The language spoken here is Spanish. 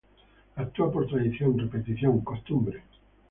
Actúa por tradición, repetición, costumbre.